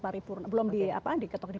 paripurna belum di apaan diketok di